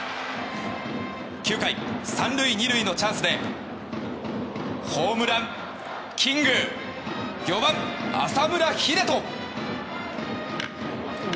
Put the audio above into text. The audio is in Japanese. ９回、３塁２塁のチャンスでホームランキング４番、浅村栄斗。